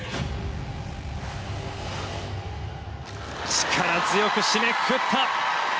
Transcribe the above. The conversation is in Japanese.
力強く締めくくった。